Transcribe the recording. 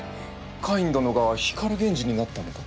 カイン殿が光源氏になったのか？